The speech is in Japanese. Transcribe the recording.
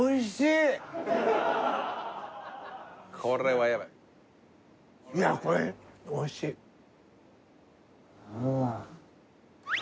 これはヤバいいやこれおいしいうん